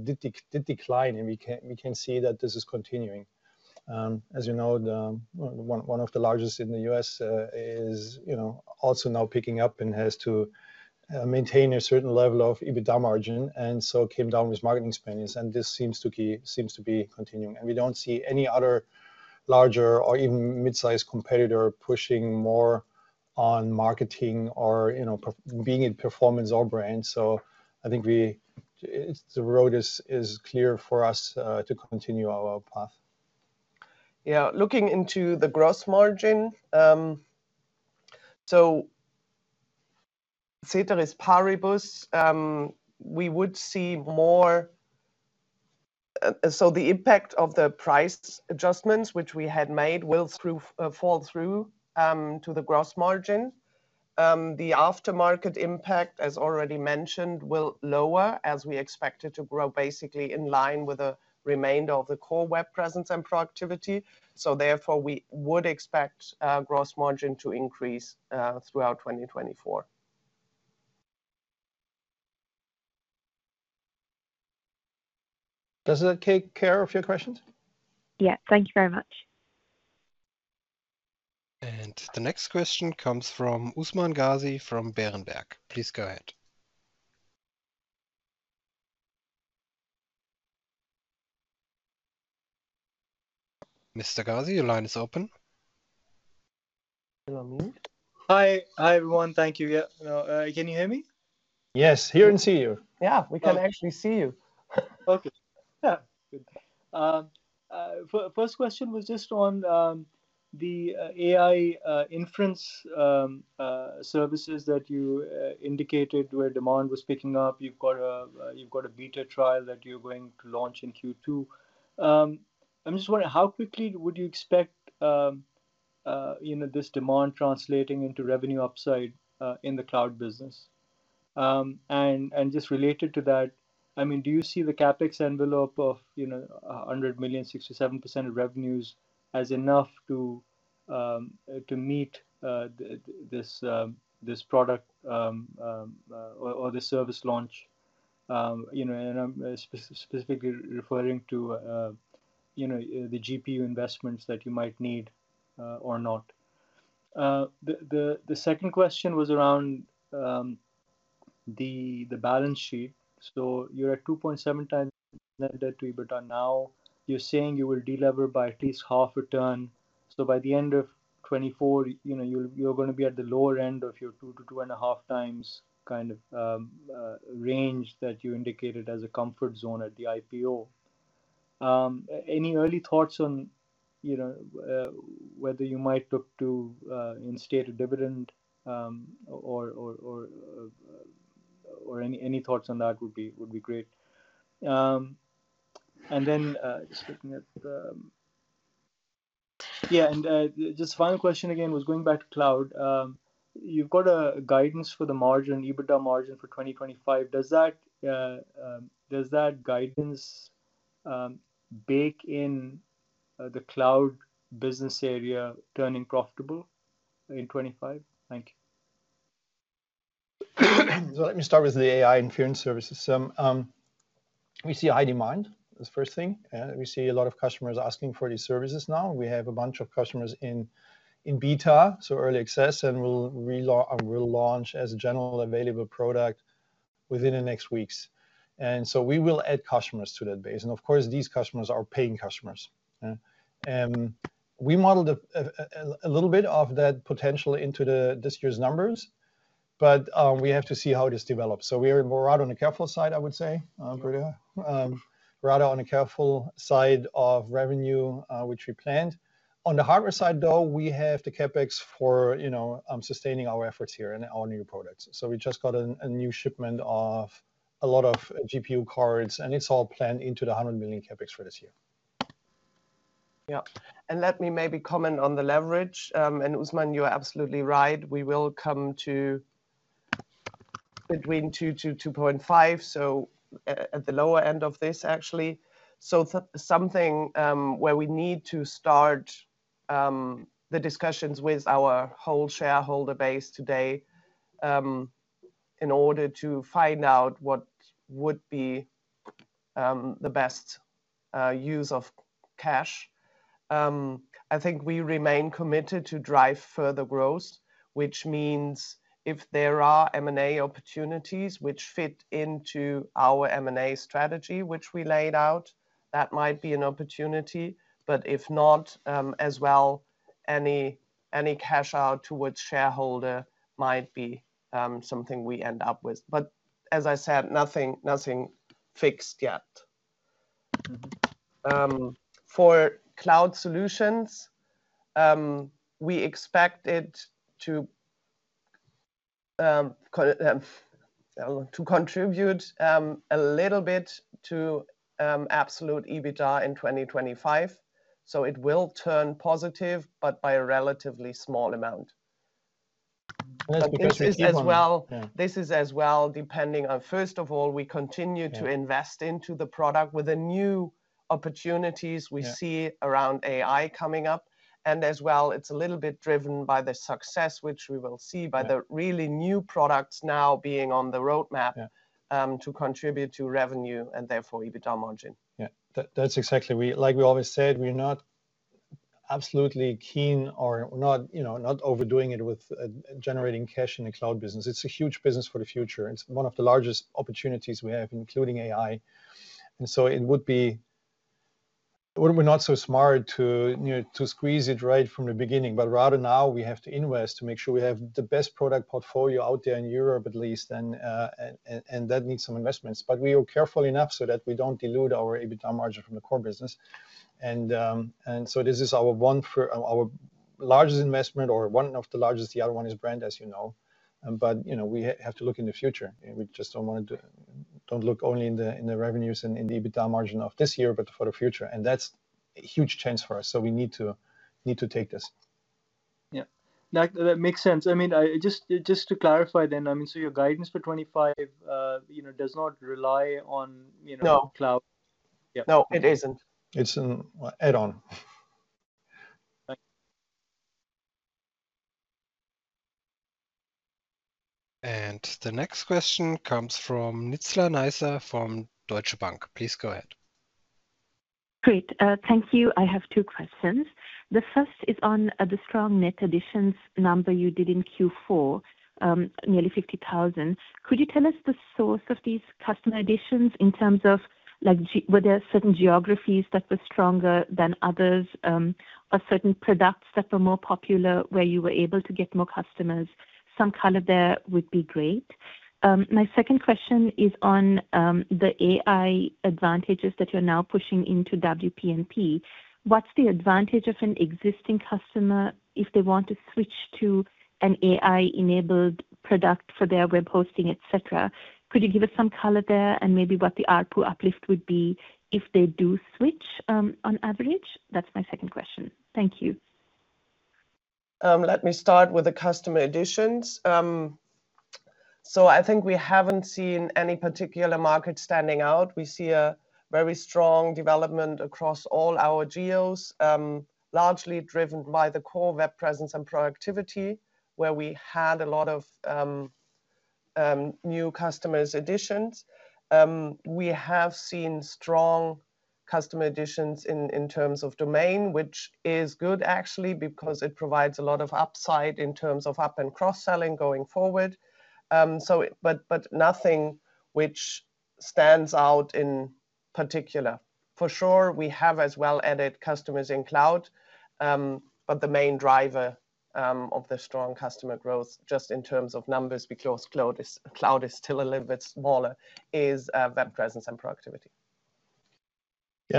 did decline, and we can see that this is continuing. As you know, one of the largest in the U.S. is also now picking up and has to maintain a certain level of EBITDA margin, and so came down with marketing spending, and this seems to be continuing. We don't see any other larger or even mid-sized competitor pushing more on marketing or, you know, perhaps being in performance or brand. So I think it's the road is clear for us to continue our path. Yeah. Looking into the gross margin, so ceteris paribus, we would see. So the impact of the price adjustments, which we had made, will flow through to the gross margin. The Aftermarket impact, as already mentioned, will lower, as we expect it to grow basically in line with the remainder Web Presence and Productivity. so therefore, we would expect gross margin to increase throughout 2024. Does that take care of your questions? Yeah. Thank you very much. The next question comes from Usman Ghazi from Berenberg. Please go ahead. Mr. Ghazi, your line is open. Am I on mute? Hi. Hi, everyone. Thank you. Yeah, can you hear me? Yes, hear and see you. Yeah, we can actually see you. Okay. Yeah. Good. First question was just on the AI inference services that you indicated where demand was picking up. You've got a beta trial that you're going to launch in Q2. I'm just wondering, how quickly would you expect, you know, this demand translating into revenue upside in the cloud business? And just related to that, I mean, do you see the CapEx envelope of, you know, 100 million, 67% of revenues as enough to meet this product or this service launch? You know, and I'm specifically referring to, you know, the GPU investments that you might need or not. The second question was around the balance sheet. So you're at 2.7 times net debt to EBITDA. Now, you're saying you will delever by at least half a turn. So by the end of 2024, you know, you're gonna be at the lower end of your 2-2.5 times kind of range that you indicated as a comfort zone at the IPO. Any early thoughts on, you know, whether you might look to instate a dividend, or any thoughts on that would be great. And then just looking at the... Yeah, and just final question again was going back to cloud. You've got a guidance for the margin, EBITDA margin for 2025. Does that guidance bake in the cloud business area turning profitable in 2025? Thank you. So let me start with the AI inference services. We see a high demand, is first thing, and we see a lot of customers asking for these services now. We have a bunch of customers in beta, so early access, and we'll launch as a generally available product within the next weeks. And so we will add customers to that base. And of course, these customers are paying customers, and we modeled a little bit of that potential into this year's numbers, but we have to see how this develops. So we are more out on the careful side, I would say, rather on the careful side of revenue, which we planned. On the hardware side, though, we have the CapEx for, you know, sustaining our efforts here and our new products. So we just got a new shipment of a lot of GPU cards, and it's all planned into the 100 million CapEx for this year. Yeah. And let me maybe comment on the leverage. And Usman, you are absolutely right. We will come to between 2 to 2.5, so at the lower end of this, actually. So something where we need to start the discussions with our whole shareholder base today in order to find out what would be the best use of cash. I think we remain committed to drive further growth, which means if there are M&A opportunities which fit into our M&A strategy, which we laid out, that might be an opportunity. But if not, as well, any, any cash out towards shareholder might be something we end up with. But as I said, nothing, nothing fixed yet. For Cloud Solutions, we expect it to contribute a little bit to absolute EBITDA in 2025. So it will turn positive, but by a relatively small amount. That's because- This is as well- This is as well, depending on, first of all, we continue- Yeah... to invest into the product with the new opportunities-... we see around AI coming up. As well, it's a little bit driven by the success which we will see-... by the really new products now being on the roadmap-... to contribute to revenue, and therefore, EBITDA margin. Yeah, that's exactly what we. Like we always said, we're not absolutely keen or not, you know, not overdoing it with generating cash in the cloud business. It's a huge business for the future, and it's one of the largest opportunities we have, including AI. We're not so smart to, you know, to squeeze it right from the beginning, but rather now we have to invest to make sure we have the best product portfolio out there in Europe at least, and that needs some investments. But we are careful enough so that we don't dilute our EBITDA margin from the core business. And so this is our largest investment or one of the largest. The other one is brand, as you know. But, you know, we have to look in the future, and we just don't want to don't look only in the revenues and in the EBITDA margin of this year, but for the future. And that's a huge chance for us, so we need to, we need to take this. Yeah. That, that makes sense. I mean, I just, just to clarify then, I mean, so your guidance for 25, you know, does not rely on, you know- No... cloud? Yeah. No, it isn't. It's an add-on. Thank you. The next question comes from Nizla Naizer from Deutsche Bank. Please go ahead. Great. Thank you. I have two questions. The first is on the strong net additions number you did in Q4, nearly 50,000. Could you tell us the source of these customer additions in terms of whether there are certain geographies that were stronger than others, or certain products that were more popular, where you were able to get more customers? Some color there would be great. My second question is on the AI advantages that you're now pushing into WP&P. What's the advantage of an existing customer if they want to switch to an AI-enabled product for their web hosting, et cetera? Could you give us some color there and maybe what the ARPU uplift would be if they do switch, on average? That's my second question. Thank you. Let me start with the customer additions. So I think we haven't seen any particular market standing out. We see a very strong development across all our geos, largely driven Web Presence and Productivity, where we had a lot of new customers additions. We have seen strong customer additions in terms of domain, which is good actually, because it provides a lot of upside in terms of up and cross-selling going forward. But nothing which stands out in particular. For sure, we have as well added customers in cloud, but the main driver of the strong customer growth, just in terms of numbers, because cloud is still a little bit smaller, is Web Presence and Productivity.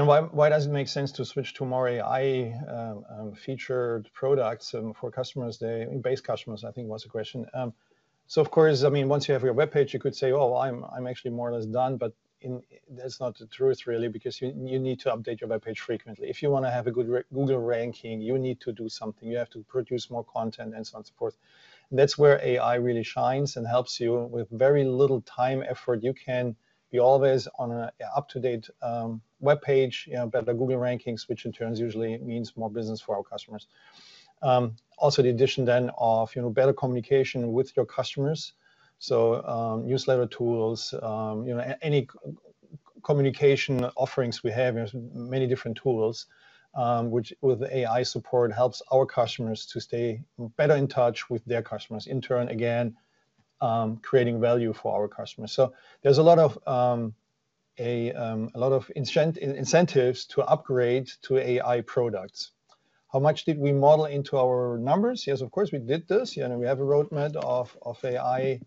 Why does it make sense to switch to more AI featured products for customers, the base customers, I think was the question. So of course, I mean, once you have your web page, you could say, "Oh, I'm actually more or less done," but that's not the truth, really, because you need to update your web page frequently. If you want to have a good Google ranking, you need to do something. You have to produce more content, and so on, and so forth. That's where AI really shines and helps you. With very little time, effort, you can be always on a up-to-date web page, you know, better Google rankings, which in turn usually means more business for our customers. Also, the addition then of, you know, better communication with your customers. So, newsletter tools, you know, any communication offerings we have, there's many different tools, which with AI support, helps our customers to stay better in touch with their customers, in turn, again, creating value for our customers. So there's a lot of a lot of incentives to upgrade to AI products. How much did we model into our numbers? Yes, of course, we did this. You know, we have a roadmap of AI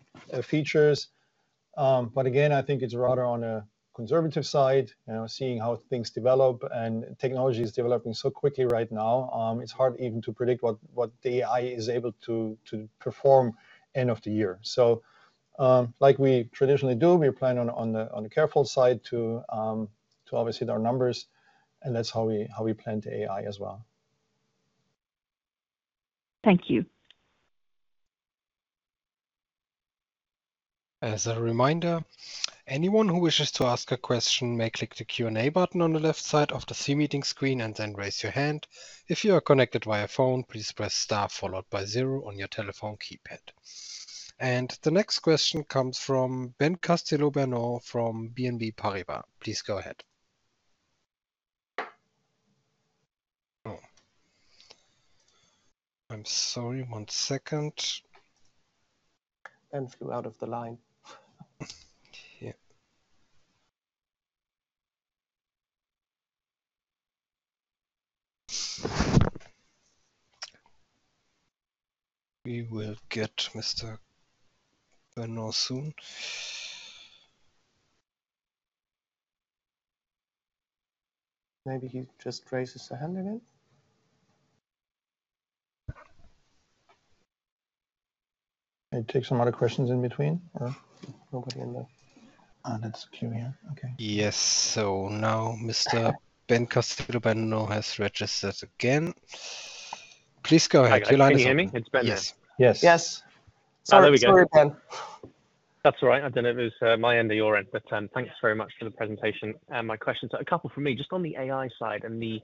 features. But again, I think it's rather on a conservative side, you know, seeing how things develop. And technology is developing so quickly right now, it's hard even to predict what the AI is able to perform end of the year. So, like we traditionally do, we plan on the careful side to obviously hit our numbers, and that's how we plan the AI as well. Thank you. As a reminder, anyone who wishes to ask a question may click the Q&A button on the left side of the C-Meeting screen and then raise your hand. If you are connected via phone, please press star followed by zero on your telephone keypad. The next question comes from Ben Castillo-Bernaus from BNP Paribas. Please go ahead. Oh, I'm sorry. One second. Ben flew out of the line. Yeah. We will get Mr. Bernaus soon. Maybe he just raises his hand again. Take some other questions in between or? That's Q, yeah. Okay. Yes. Now Mr. Ben Castillo-Bernaus has registered again. Please go ahead. Can you hear me? It's Ben, yeah. Yes. Yes. Yes. Oh, there we go. Sorry, Ben. That's all right. I don't know if it was my end or your end, but thanks very much for the presentation. And my questions are... A couple from me, just on the AI side and the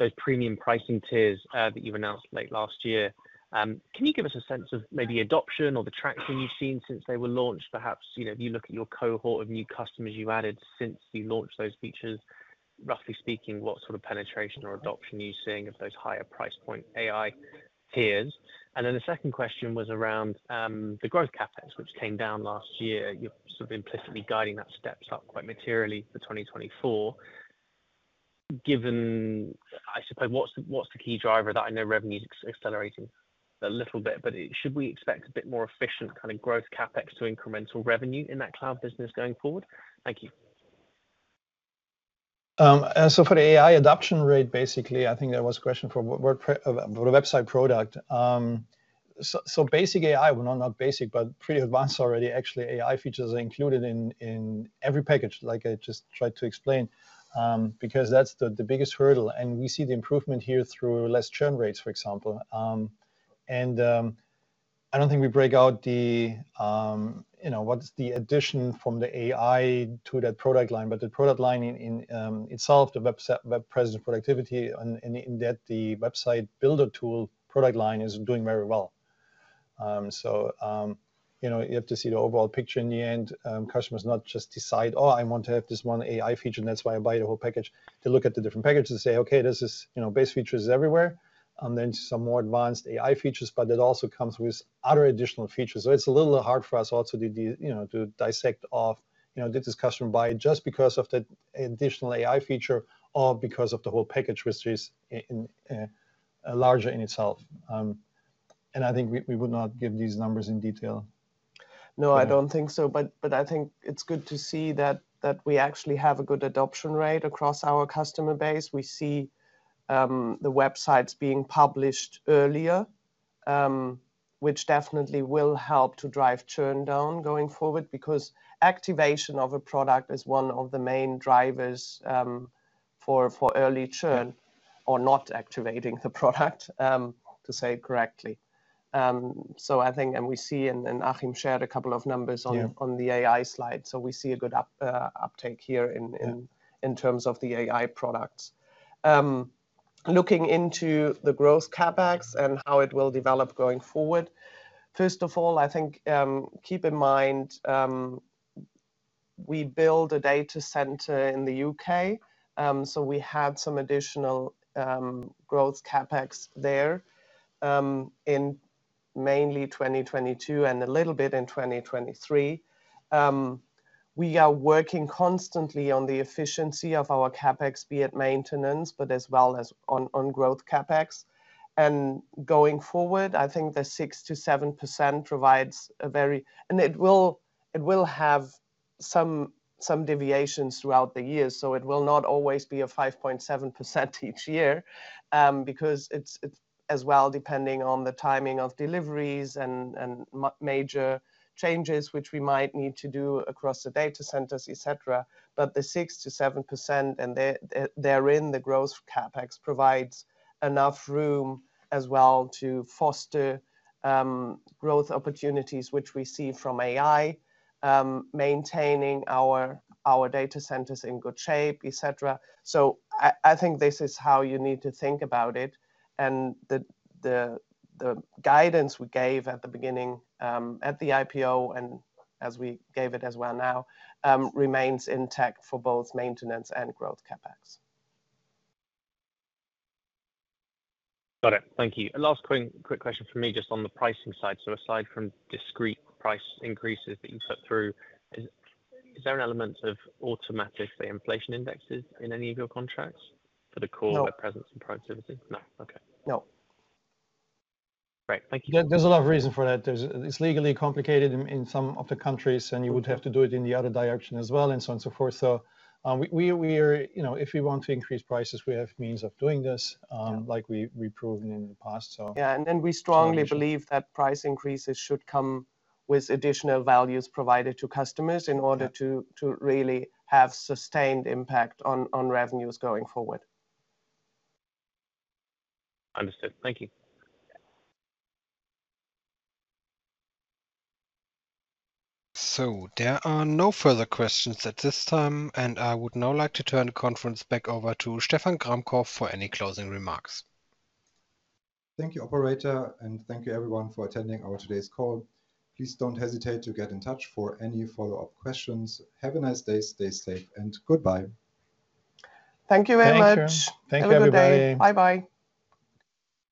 those premium pricing tiers that you've announced late last year. Can you give us a sense of maybe adoption or the traction you've seen since they were launched? Perhaps, you know, if you look at your cohort of new customers you added since you launched those features, roughly speaking, what sort of penetration or adoption are you seeing of those higher price point AI tiers? And then the second question was around the growth CapEx, which came down last year. You're sort of implicitly guiding that step up quite materially for 2024.... Given, I suppose, what's the key driver that I know revenue's accelerating a little bit? But should we expect a bit more efficient kind of growth CapEx to incremental revenue in that cloud business going forward? Thank you. So for the AI adoption rate, basically, I think that was a question for WordPress for the website product. So basic AI, well, not basic, but pretty advanced already. Actually, AI features are included in every package, like I just tried to explain, because that's the biggest hurdle, and we see the improvement here through less churn rates, for example. I don't think we break out the, you know, what's the addition from the AI to that product line, but the product line Web Presence and Productivity, and in that the website builder tool product line is doing very well. So, you know, you have to see the overall picture in the end. Customers not just decide, "Oh, I want to have this one AI feature, and that's why I buy the whole package." They look at the different packages and say, "Okay, this is, you know, base feature is everywhere, and then some more advanced AI features, but it also comes with other additional features." So it's a little hard for us also to do, you know, to dissect off, you know, did this customer buy it just because of the additional AI feature or because of the whole package, which is in itself larger? I think we would not give these numbers in detail. No, I don't think so, but I think it's good to see that we actually have a good adoption rate across our customer base. We see the websites being published earlier, which definitely will help to drive churn down going forward. Because activation of a product is one of the main drivers for early churn or not activating the product, to say it correctly. So I think... And we see, and Achim shared a couple of numbers- Yeah... on the AI slide, so we see a good uptake here in-... in terms of the AI products. Looking into the growth CapEx and how it will develop going forward, first of all, I think, keep in mind, we built a data center in the U.K., so we had some additional, growth CapEx there, in mainly 2022 and a little bit in 2023. We are working constantly on the efficiency of our CapEx, be it maintenance, but as well as on growth CapEx. And going forward, I think the 6%-7% provides a very. And it will have some deviations throughout the years, so it will not always be a 5.7% each year, because it's as well, depending on the timing of deliveries and major changes, which we might need to do across the data centers, et cetera. But the 6%-7%, and therein, the growth CapEx provides enough room as well to foster growth opportunities which we see from AI, maintaining our data centers in good shape, et cetera. So I think this is how you need to think about it, and the guidance we gave at the beginning, at the IPO and as we gave it as well now, remains intact for both maintenance and growth CapEx. Got it. Thank you. Last quick question from me, just on the pricing side. So aside from discrete price increases that you put through, is there an element of automatic, say, inflation indexes in any of your contracts for the core- No... Web Presence and Productivity? no. okay. No. Great, thank you. There, there's a lot of reason for that. There's. It's legally complicated in some of the countries, and you would have to do it in the other direction as well, and so on and so forth. So, we are, you know, if we want to increase prices, we have means of doing this- Yeah... like we, we've proven in the past, so. Yeah, and then we strongly believe-... that price increases should come with additional values provided to customers.... in order to really have sustained impact on revenues going forward. Understood. Thank you. So there are no further questions at this time, and I would now like to turn the conference back over to Stephan Gramkow for any closing remarks. Thank you, operator, and thank you everyone for attending our today's call. Please don't hesitate to get in touch for any follow-up questions. Have a nice day, stay safe, and goodbye. Thank you very much. Thank you. Thank you, everybody. Have a good day. Bye bye.